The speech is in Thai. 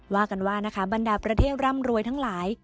ว่ากันว่านะคะบรรดาประเทศร่ำรวยทั้งหลาย